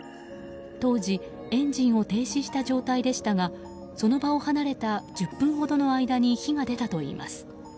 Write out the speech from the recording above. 当時エンジンを停止した状態でしたがその場を離れた１０分ほどの間に火が出たといいます。